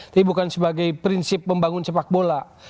ini bukan sebagai prinsip membangun sepak bola